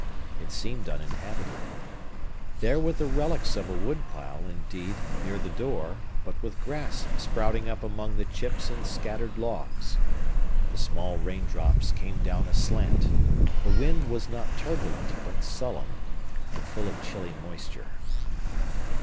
It seemed uninhabited. There were the relics of a wood pile, indeed, near the door, but with grass sprouting up among the chips and scattered logs. The small rain drops came down aslant; the wind was not turbulent, but sullen, and full of chilly moisture.